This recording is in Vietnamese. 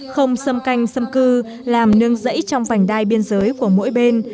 không xâm canh xâm cư làm nương rẫy trong vành đai biên giới của mỗi bên